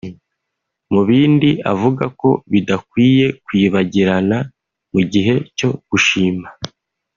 Mu bindi avuga ko bidakwiye kwibagirana mu gihe cyo gushima